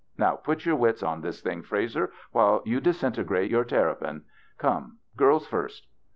Now put your wits on this thing, Frazer, while you disintegrate your terrapin. Come, girls first.